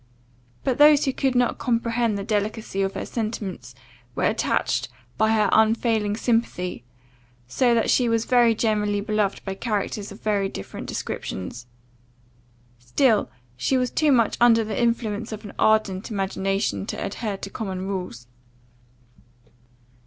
But those who could not comprehend the delicacy of her sentiments, were attached by her unfailing sympathy, so that she was very generally beloved by characters of very different descriptions; still, she was too much under the influence of an ardent imagination to adhere to common rules.